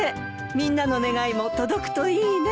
みんなの願いも届くといいね。